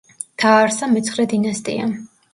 დააარსა მეცხრე დინასტია.